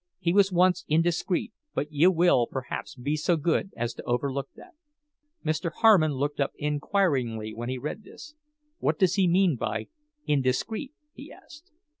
He was once indiscreet, but you will perhaps be so good as to overlook that." Mr. Harmon looked up inquiringly when he read this. "What does he mean by 'indiscreet'?" he asked.